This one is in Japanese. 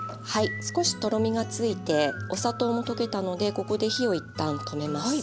少しとろみがついてお砂糖も溶けたのでここで火を一旦止めます。